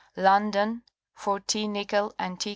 London, for T. Nicol and T.